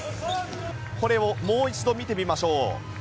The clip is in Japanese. これをもう一度見てみましょう。